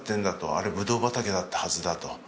あれブドウ畑だったはずだと。